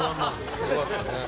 伊達：よかったね。